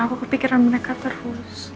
aku kepikiran mereka terus